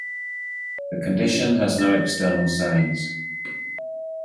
The condition has no external signs.